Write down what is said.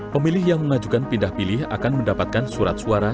pemilih yang mengajukan pindah pilih akan mendapatkan surat suara